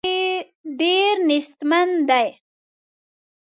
ډېر نېستمن دي.